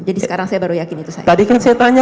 tadi kan saya tanyakan orangnya sama atau enggak